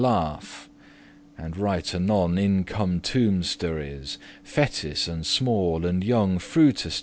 * *laughed And right anon in come tombesteres <8> Fetis* and small, and younge fruitesteres.